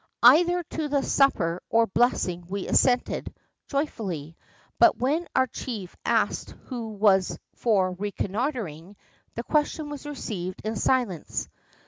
Either to the supper or blessing we assented, joyfully; but when our chief asked who was for reconnoitring, the question was received in silence.